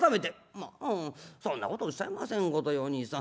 『まあそんなことおっしゃいませんことよおにいさん。